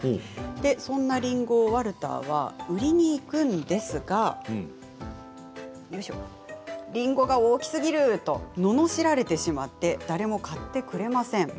そんなりんごをワルターは売りに行くんですけれどりんごが大きすぎるとののしられてしまって誰も買ってくれません。